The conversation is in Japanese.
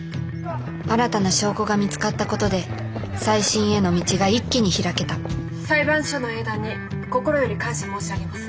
新たな証拠が見つかったことで再審への道が一気に開けた「裁判所の英断に心より感謝申し上げます」。